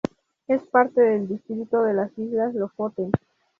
Es parte del distrito de las Islas Lofoten.